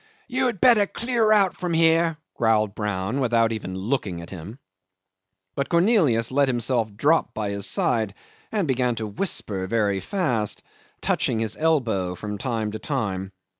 "You had better clear out from here," growled Brown, without even looking at him. But Cornelius let himself drop by his side and began to whisper very fast, touching his elbow from time to time.